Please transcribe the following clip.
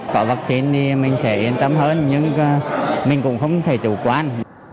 có vaccine thì mình sẽ yên tâm hơn nhưng mình cũng không thể chủ quan